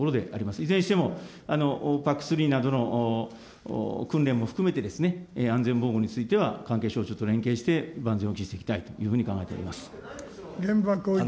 いずれにしてもＰＡＣ３などの訓練も含めてですね、安全防護については関係省庁と連携して、万全を期していきたいというふうに考玄葉光一郎君。